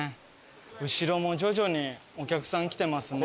後ろも徐々にお客さん来てますね。